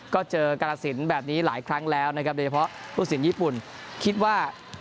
ก็เจอกรสินแบบนี้หลายครั้งแล้วนะครับโดยเฉพาะผู้สินญี่ปุ่นคิดว่า